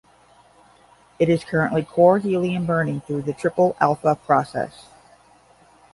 It is currently core helium burning through the triple alpha process.